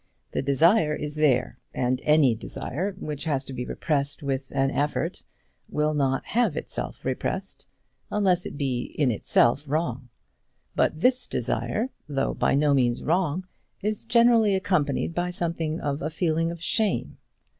The desire is there; and any desire which has to be repressed with an effort, will not have itself repressed unless it be in itself wrong. But this desire, though by no means wrong, is generally accompanied by something of a feeling of shame.